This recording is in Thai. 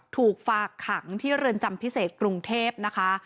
ถูกฝากขังที่เรือนจำพิเศษกรุงเทพนะคะ